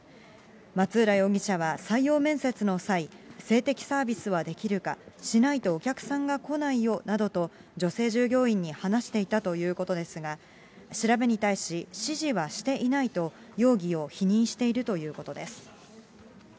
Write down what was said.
松浦容疑者は採用面接の際、性的サービスはできるか、しないとお客さんが来ないよなどと、女性従業員に話していたということですが、調べに対し、指示はしていないと、容疑を否認しているということです。